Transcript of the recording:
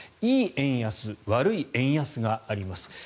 いい円安、悪い円安があります。